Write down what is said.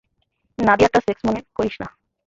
নাদিয়ারটা sex মনে করিস না।